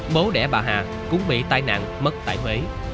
bố đẻ bà hà cũng bị tai nạn mất tại huế